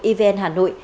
evn hà nội